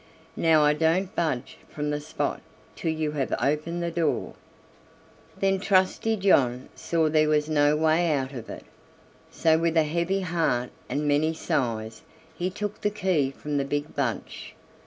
Now I don't budge from the spot till you have opened the door." Then Trusty John saw there was no way out of it, so with a heavy heart and many sighs he took the key from the big bunch.